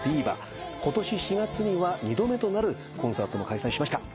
今年４月には２度目となるコンサートも開催しました。